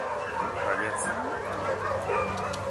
Baietz.